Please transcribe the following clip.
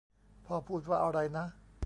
พ่อพูดว่าอะไรนะ